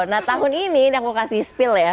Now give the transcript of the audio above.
nah tahun ini aku kasih spill ya